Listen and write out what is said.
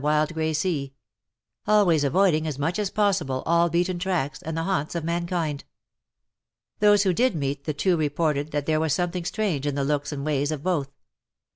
wild grey sea — always avoiding as much as possible ;all beaten tracks, and the haunts of mankind. Those who did meet the two reported that there was something strange in the looks and ways of both.